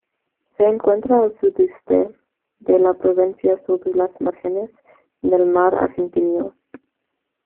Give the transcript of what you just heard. Se encuentra al sudeste de la provincia, sobre las márgenes del mar Argentino.